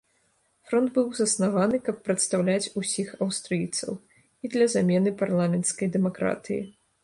Фронт быў заснаваны, каб прадстаўляць ўсіх аўстрыйцаў і для замены парламенцкай дэмакратыі.